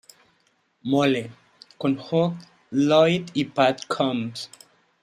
Mole", con Hugh Lloyd y Pat Coombs.